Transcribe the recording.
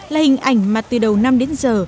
là hình ảnh mà từ đầu năm đến giờ